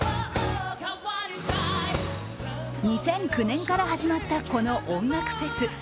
２００９年から始まったこの音楽フェス。